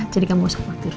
jadi kamu gak usah khawatir